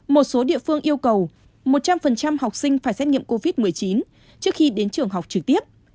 một số địa phương yêu cầu một trăm linh học sinh phải xét nghiệm covid một mươi chín trước khi đến trường học trực tiếp